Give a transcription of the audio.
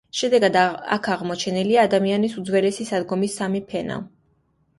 შედეგად აქ აღმოჩენილია ადამიანის უძველესი სადგომის სამი ფენა.